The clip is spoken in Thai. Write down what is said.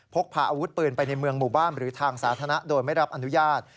พกพาอาวุธปืนไปในเมืองหมู่บ้านหรือทางสาธารณะโดยไม่รับอนุญาต